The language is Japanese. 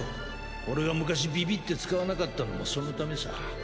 俺が昔ビビって使わなかったのもそのためさ。